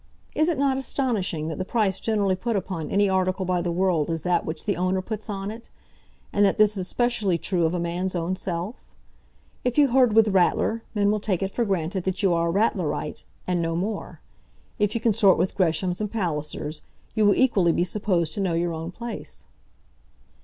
Is it not astonishing that the price generally put upon any article by the world is that which the owner puts on it? and that this is specially true of a man's own self? If you herd with Ratler, men will take it for granted that you are a Ratlerite, and no more. If you consort with Greshams and Pallisers, you will equally be supposed to know your own place."